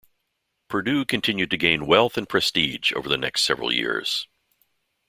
Purdue continued to gain wealth and prestige over the next several years.